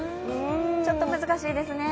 ちょっと難しいですね。